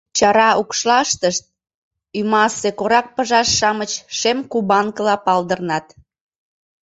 Чара укшлаштышт ӱмасе корак пыжаш-шамыч шем кубанкыла палдырнат.